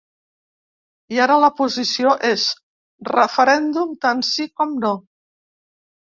I ara la posició és referèndum tant sí com no.